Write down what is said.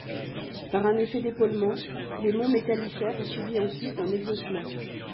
Par un effet d'épaulement, les Monts Métallifères ont subi ensuite un exhaussement.